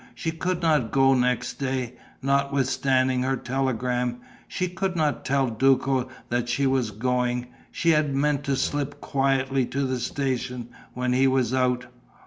She could not go next day, notwithstanding her telegram! She could not tell Duco that she was going.... She had meant to slip quietly to the station, when he was out....